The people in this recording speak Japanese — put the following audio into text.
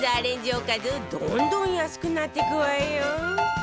おかずどんどん安くなっていくわよ